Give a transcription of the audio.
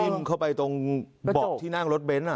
เข้าไปตรงเบาะที่นั่งรถเบนท์